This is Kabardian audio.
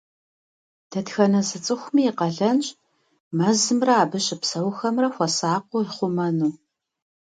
Дэтхэнэ зы цӀыхуми и къалэнщ мэзымрэ абы щыпсэухэмрэ хуэсакъыу ихъумэну.